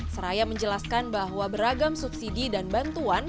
seraya menjelaskan bahwa beragam subsidi dan bantuan